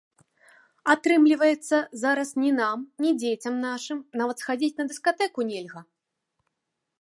Атрымліваецца, зараз ні нам, ні дзецям нашым нават схадзіць на дыскатэку нельга!